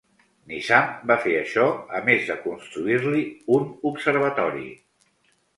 Nizam va fer això, a més de construir-li un observatori.